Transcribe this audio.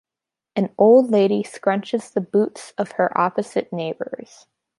An old lady scrunches the boots of her opposite neighbors.